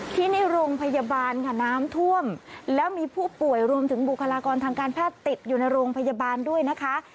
ที่ในโรงพยาบาลค่ะน้ำท่วมแล้วมีผู้ป่วยรวมถึงบุคลากรทางการแพทย์ติดอยู่ในโรงพยาบาลด้วยนะคะ